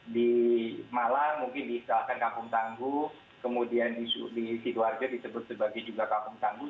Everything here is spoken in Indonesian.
di malang mungkin diisalkan kampung tanggu kemudian di situarjo disebut juga kampung tanggu